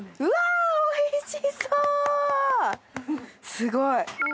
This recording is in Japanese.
すごい。